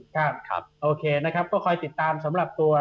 ครับโอเคนะครับก็คอยติดตามสำหรับตัว